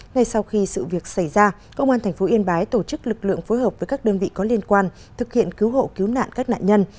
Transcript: ngay sau khi sự việc xảy ra công an tp yên bái tổ chức lực lượng phối hợp với các đơn vị có liên quan thực hiện cứu hộ cứu nạn các nạn nhân